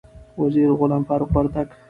وزیر غلام فاروق وردک